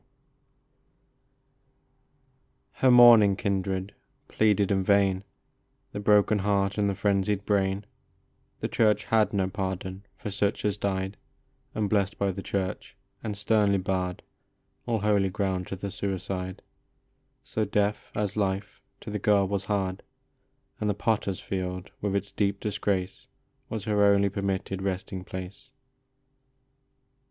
LOVE UNQUENCHABLE. 199 Her mourning kindred pleaded in vain The broken heart and the frenzied brain ; The church had no pardon for such as died Unblessed by the church, and sternly barred All holy ground to the suicide ; So death as life to the girl was hard, And the potter s field with its deep disgrace Was her only permitted resting place.